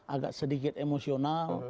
agak sedikit emosional